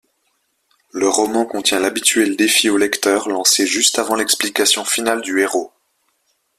Le roman contient l'habituel défi au lecteur lancé juste avant l'explication finale du héros.